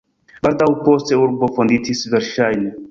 Baldaŭ poste urbo fonditis verŝajne.